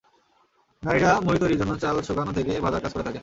নারীরা মুড়ি তৈরির জন্য চাল শুকানো থেকে ভাজার কাজ করে থাকেন।